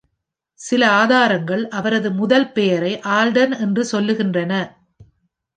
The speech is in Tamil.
சில ஆதாரங்கள் அவரது முதல் பெயரை ஆல்டன் என்று சொல்கின்றன.